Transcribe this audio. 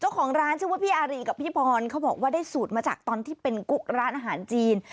เจ้าของร้านชื่อว่าพี่อารีกับพี่พรเขาบอกว่าได้สูตรมาจากตอนที่เป็นกุ๊กร้านอาหารจีน